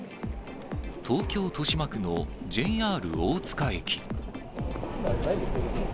東京・豊島区のＪＲ大塚駅。